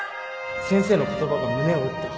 先生の言葉が胸を打った